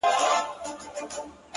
يو ما و تا _